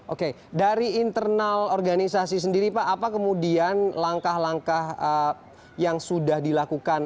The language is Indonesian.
oke dari internal organisasi sendiri pak apa kemudian langkah langkah yang sudah dilakukan